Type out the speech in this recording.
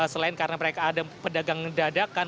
selain karena mereka ada pedagang dadakan